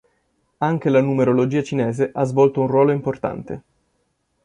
Anche la numerologia cinese ha svolto un ruolo importante.